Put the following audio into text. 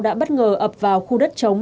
đã bất ngờ ập vào khu đất chống